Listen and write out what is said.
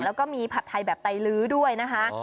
แล้วก็มีผัดไทยแบบไตลื้อด้วยนะคะ